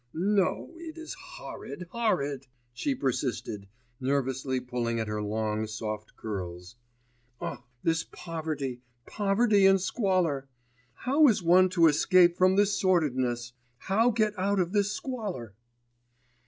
'No, it is horrid, horrid,' she persisted, nervously pulling at her long, soft curls. 'Ugh, this poverty, poverty and squalor! How is one to escape from this sordidness! How get out of this squalor!